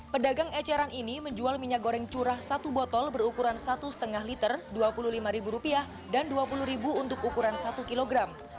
pedagang eceran ini menjual minyak goreng curah satu botol berukuran satu lima liter rp dua puluh lima dan rp dua puluh untuk ukuran satu kilogram